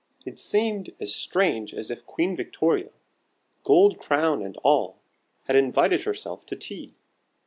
It seemed as strange as if Queen Victoria, gold crown and all, had invited herself to tea.